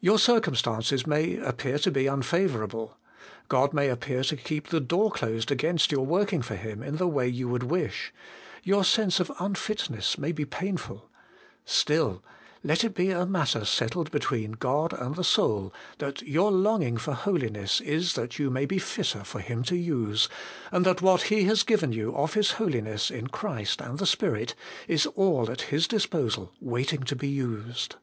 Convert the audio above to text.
Your circumstances may appear to be unfavourable. God may appear to keep the door closed against your working for Him in the way you would wish ; your sense of unfitness may be painful Still, let it be a matter settled between God and the soul, that your longing for holiness is that you may be fitter for Him to use, and that what He has given you of His Holiness in Christ and the Spirit is all at His disposal, wait ing to be used.